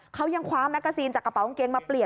เขายังคว้าแมกกาซีนจากกระเป๋ากางเกงมาเปลี่ยน